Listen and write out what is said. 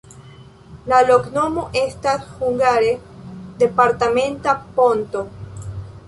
La loknomo estas hungare: departementa-ponto.